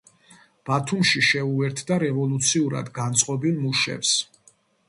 ბათუმში შეუერთდა რევოლუციურად განწყობილ მუშებს.